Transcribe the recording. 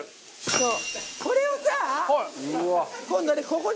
そう。